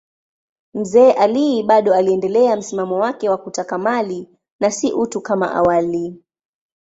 Mzee Ali bado aliendelea msimamo wake wa kutaka mali na si utu kama awali.